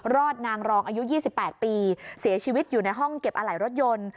นางรองอายุ๒๘ปีเสียชีวิตอยู่ในห้องเก็บอะไหล่รถยนต์